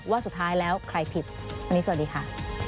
ว่าสุดท้ายแล้วใครผิดวันนี้สวัสดีค่ะ